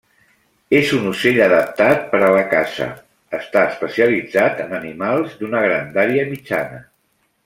És un ocell adaptat per a la caça, està especialitzat en animals d'una grandària mitjana.